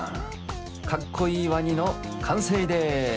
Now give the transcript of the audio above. かっこいいワニのかんせいです。